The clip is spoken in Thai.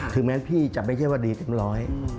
ถึงแม้พี่จะไม่ใช่ว่าดีเต็มร้อย